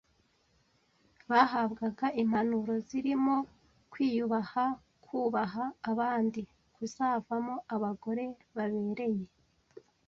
Bahabwaga impanuro zirimo kwiyubaha kubaha abandi kuzavamo abagore babereye